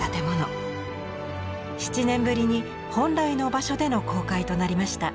７年ぶりに本来の場所での公開となりました。